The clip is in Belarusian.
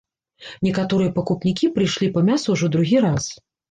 Некаторыя пакупнікі прыйшлі па мяса ўжо другі раз.